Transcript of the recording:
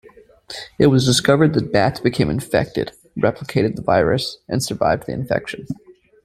It was discovered that bats became infected, replicated the virus, and survived the infection.